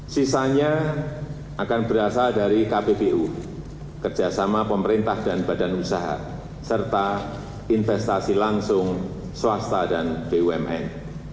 sisanya akan berasal dari kpbu kerjasama pemerintah dan badan usaha serta investasi langsung swasta dan bumn